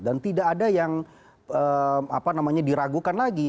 dan tidak ada yang diragukan lagi